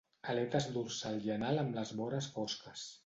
Aletes dorsal i anal amb les vores fosques.